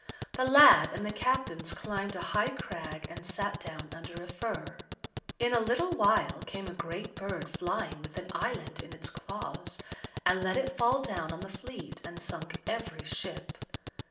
The lad and the captains climbed a high crag and sate down under a fir. In a little while came a great bird flying with an island in its claws, and let it fall down on the fleet, and sunk every ship.